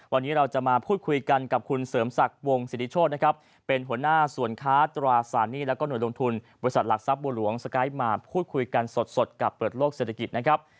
วันนี้เราจะมาพูดคุยกันกับคุณเสริมศักดิ์วงศิริโชธนะครับเป็นหัวหน้าส่วนค้าตราสารหนี้แล้วก็หน่วยลงทุนบริษัทหลักทรัพย์บัวหลวงสกายมาพูดคุยกันสดกับเปิดโลกเศรษฐกิจนะครับ